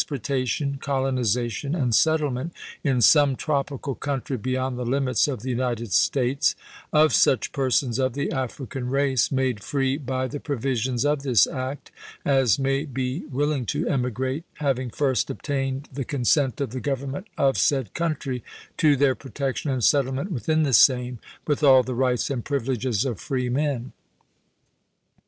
portatioD, colonization, and settlement in some tropical country beyond the limits of the United States, of such persons of the African race, made free by the provisions of this act, as may be will ing to emigrate, having first obtained the consent section of the Government of said country to their protec Act of July 17 tion and settlement within the same, with all the 1862. ' rights and privileges of freemen."